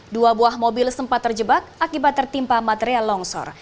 dua buah mobil sempat terjebak akibat tertimpa material longsor